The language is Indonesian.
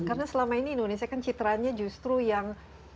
karena selama ini indonesia kan citraannya justru yang